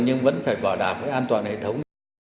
nhưng vẫn phải bỏ đạp cái an toàn hệ thống